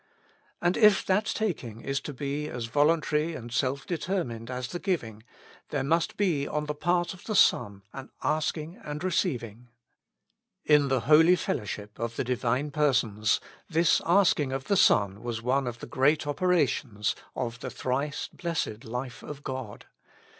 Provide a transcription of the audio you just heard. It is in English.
And if that taking is to be as voluntary and self determined as the giving, there must be on the part of the Son an asking and receiving. In the holy fel lowship of the Divine Persons, this asking of the Son was one of the great operations of the Thrice Blessed Life of God.